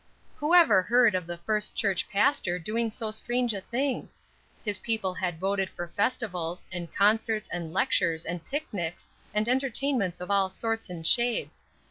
Who ever heard of the First Church pastor doing so strange a thing? His people had voted for festivals, and concerts, and lectures, and picnics, and entertainments of all sorts and shades.